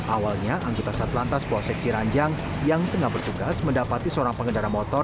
awalnya anggota satlantas polsek ciranjang yang tengah bertugas mendapati seorang pengendara motor